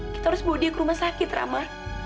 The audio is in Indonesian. kita harus bawa dia ke rumah sakit rama